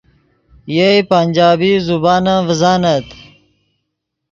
یئے پنجابی زبان ام ڤزانت